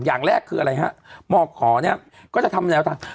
อย่างแรกคืออะไรฮะหมอขอเนี่ยก็จะทำแนวทาง